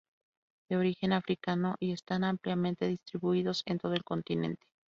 De origen africano y están ampliamente distribuidos en todo el continente.